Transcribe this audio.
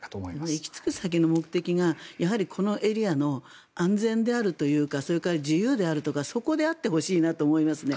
行き着く先の目的がこのエリアの安全であるとかそれから自由であるとかそこであってほしいなと思いますね。